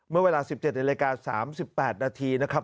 เมื่อเวลา๑๗นาฬิกา๓๘นาทีนะครับ